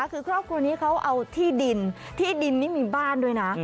คือครอบครัวนี้เขาเอาที่ดินที่ดินนี่มีบ้านด้วยนะ